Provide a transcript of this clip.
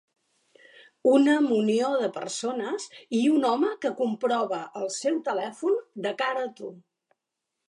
Una munió de persones i un home que comprova el seu telèfon de cara a tu.